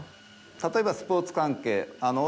例えばスポーツ関係。